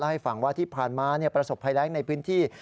ให้ฟังว่าที่ผ่านมาประสบภัยแรงในพื้นที่